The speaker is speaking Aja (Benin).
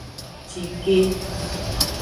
Cike.